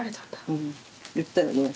うん言ったよね。